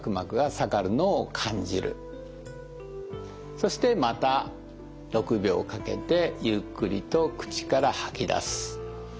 そしてまた６秒かけてゆっくりと口から吐き出す。